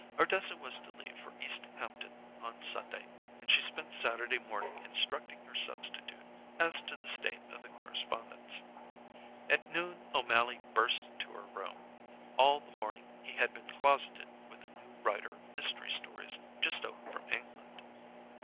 Ardessa was to leave for East Hampton on Sunday, and she spent Saturday morning instructing her substitute as to the state of the correspondence. At noon O'Mally burst into her room. All the morning he had been closeted with a new writer of mystery stories just over from England.